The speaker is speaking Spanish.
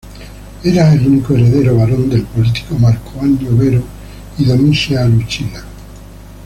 Era el único heredero varón del político Marco Annio Vero y Domicia Lucila.